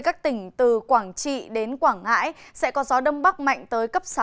các tỉnh từ quảng trị đến quảng ngãi sẽ có gió đông bắc mạnh tới cấp sáu